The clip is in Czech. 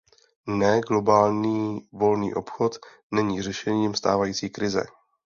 Ne, globální volný obchod není řešením stávající krize.